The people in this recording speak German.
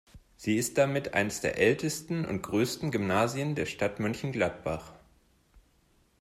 Sie ist damit eines der ältesten und größten Gymnasien der Stadt Mönchengladbach.